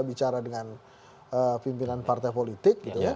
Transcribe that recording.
bicara dengan pimpinan partai politik